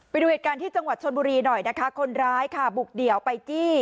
ไปดูเหตุการณ์ที่จังหวัดชนบุรีหน่อยนะคะคนร้ายค่ะบุกเดี่ยวไปจี้